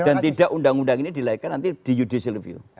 dan tidak undang undang ini dilaikan nanti di judicial review